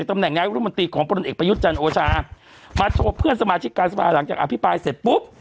มาโทรกเพื่อนสมาชิกการสมาหรันจากอภิปราณเสร็จปุ๊บ